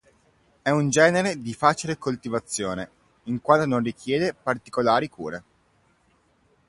È un genere di facile coltivazione, in quanto non richiede particolari cure.